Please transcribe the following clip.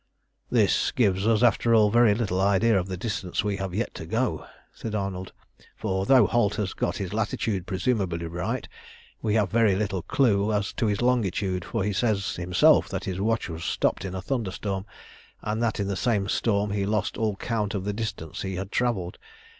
"This gives us, after all, very little idea of the distance we have yet to go," said Arnold; "for though Holt has got his latitude presumably right, we have very little clue to his longitude, for he says himself that his watch was stopped in a thunder storm, and that in the same storm he lost all count of the distance he had travelled.